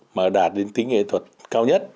mà đạt đến tính nghệ thuật cao nhất